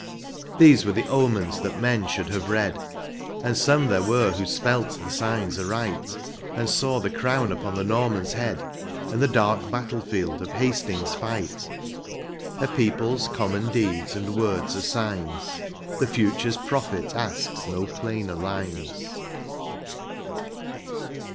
These were the omens that men should have read ; And some there were who spelt the signs aright. And saw the crown upon the Norman's head. And the dark battle field of Hastings' fight ; A people's common deeds and words are signs. The future's prophet asks no plainer lines.